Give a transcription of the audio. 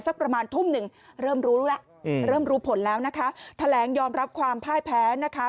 ประมาณทุ่มหนึ่งเริ่มรู้แล้วเริ่มรู้ผลแล้วนะคะแถลงยอมรับความพ่ายแพ้นะคะ